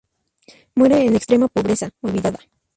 Muere en extrema pobreza, olvidada.